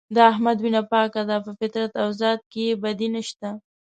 د احمد وینه پاکه ده په فطرت او ذات کې یې بدي نشته.